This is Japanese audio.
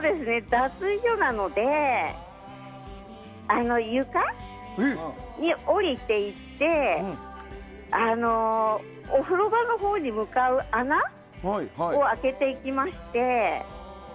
脱衣所なので床に下りていってお風呂場のほうに向かう穴を開けていきまして。